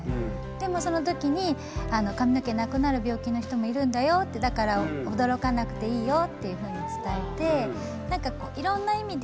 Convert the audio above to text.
でもそのときに髪の毛なくなる病気の人もいるんだよってだから驚かなくていいよっていうふうに伝えて。